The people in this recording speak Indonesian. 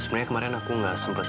sebenernya kemarin aku gak sempet